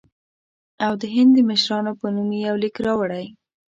او د هند د مشرانو په نوم یې یو لیک راوړی.